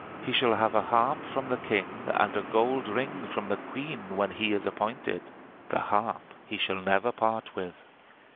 "He shall have a harp from the King, and a gold ring from the Queen, when he is appointed. The harp he shall never part with."